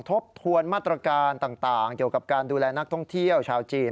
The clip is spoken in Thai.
ทบทวนมาตรการต่างเกี่ยวกับการดูแลนักท่องเที่ยวชาวจีน